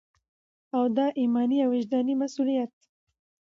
او دا ایماني او وجداني مسؤلیت